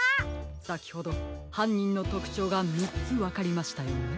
さきほどはんにんのとくちょうが３つわかりましたよね。